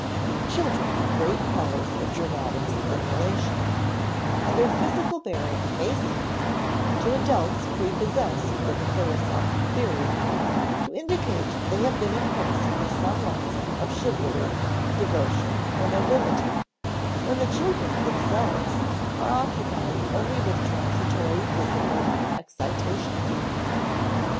Children have great powers of dramatic simulation, and their physical bearing may seem (to adults prepossessed with a philosophic theory) to indicate they have been impressed with some lesson of chivalry, devotion, or nobility, when the children themselves are occupied only with transitory physical excitations.